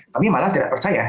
kami malah tidak percaya